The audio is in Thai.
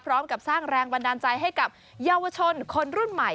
พร้อมกับสร้างแรงบันดาลใจให้กับเยาวชนคนรุ่นใหม่